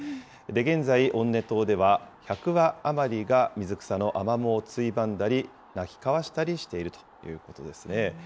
現在、温根沼では、１００羽余りが水草のアマモをついばんだり、鳴き交わしたりしているということですね。